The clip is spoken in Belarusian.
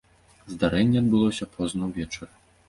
Здарэнне адбылося позна ўвечары.